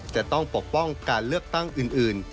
จะต้องปกป้องการเลือกตั้งอื่น